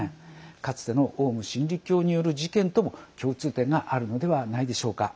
かつてのオウム真理教による事件とも共通点があるのではないでしょうか。